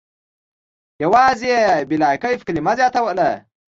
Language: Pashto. یوازې «بلاکیف» کلمه زیاتوله.